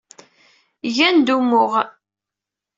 Gan-d umuɣ.